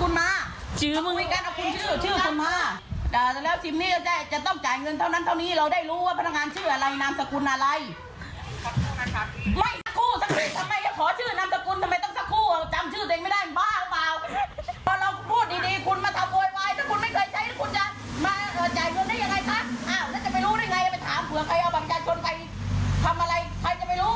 นี่ไงต้องเจอแบบนี้